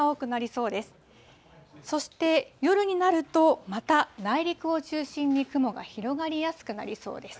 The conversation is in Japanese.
そして夜になると、また内陸を中心に雲が広がりやすくなりそうです。